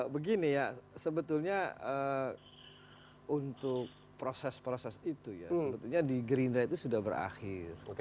begini ya sebetulnya untuk proses proses itu ya sebetulnya di gerindra itu sudah berakhir